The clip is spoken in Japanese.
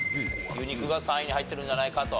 牛肉が３位に入ってるんじゃないかと。